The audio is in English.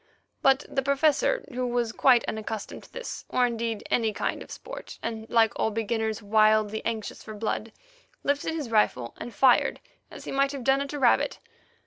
But the Professor, who was quite unaccustomed to this, or, indeed, any kind of sport, and, like all beginners, wildly anxious for blood, lifted his rifle and fired, as he might have done at a rabbit.